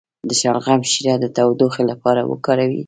د شلغم شیره د ټوخي لپاره وکاروئ